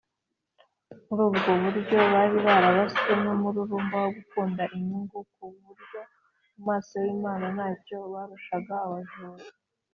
muri ubwo buryo, bari barabaswe n’umururumba wo gukunda inyungu ku buryo mu maso y’imana ntacyo barushaga abajura